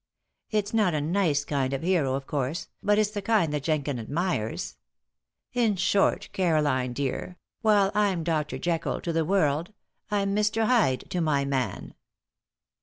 It's not a nice kind of hero, of course, but it's the kind that Jenkins admires. In short, Caroline, dear, while I'm Dr. Jekyll to the world, I'm Mr. Hyde to my man."